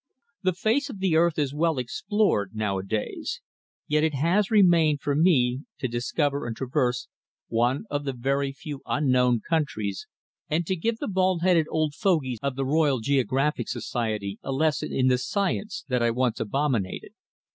The face of the earth is well explored now a days, yet it has remained for me to discover and traverse one of the very few unknown countries, and to give the bald headed old fogies of the Royal Geographical Society a lesson in the science that I once abominated.